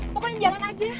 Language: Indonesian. pokoknya jangan aja